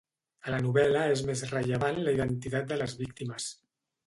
A la novel·la és més rellevant la identitat de les víctimes.